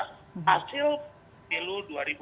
hasil pemilu dua ribu dua puluh